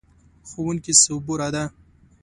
ښوونکې صبوره ده.